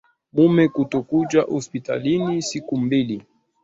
Mume kutokuja hospitalini siku mbili